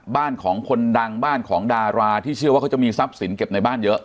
บ้านของคนดังบ้านของดาราที่เชื่อว่าเขาจะมีทรัพย์สินเก็บในบ้านเยอะ